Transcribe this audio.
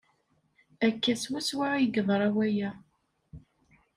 Akka swaswa ay yeḍra waya.